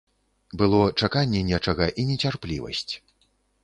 Было чаканне нечага і нецярплівасць.